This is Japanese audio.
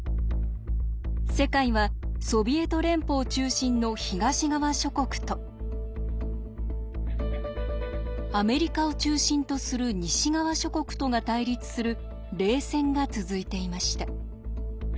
世界はソビエト連邦中心の東側諸国とアメリカを中心とする西側諸国とが対立する冷戦が続いていました。